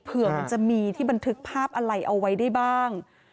เผื่อมันจะมีที่บันทึกภาพอะไรเอาไว้ได้บ้าง